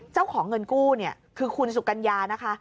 เจ้าของเงินกู้เนี่ยคือคุณสุกัญญานะคะ